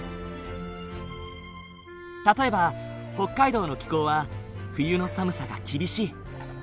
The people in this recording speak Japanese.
例えば北海道の気候は冬の寒さが厳しい。